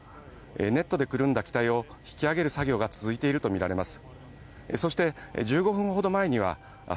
ネットでくるんだ機体を引き揚げる作業が続いているとみられます。